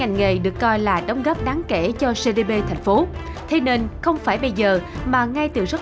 vấn đề được coi là đóng góp đáng kể cho cdb thành phố thế nên không phải bây giờ mà ngay từ rất